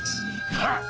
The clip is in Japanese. はっ！